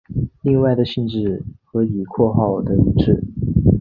另外的性质和李括号的一致。